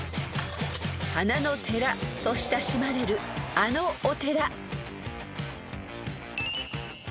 ［花の寺と親しまれるあのお寺］